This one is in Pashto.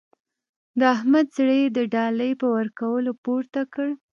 د احمد زړه يې د ډالۍ په ورکولو پورته کړ.